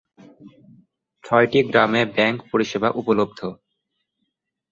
ছয়টি গ্রামে ব্যাংক পরিষেবা উপলব্ধ।